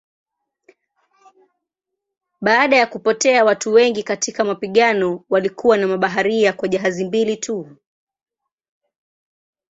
Baada ya kupotea watu wengi katika mapigano walikuwa na mabaharia kwa jahazi mbili tu.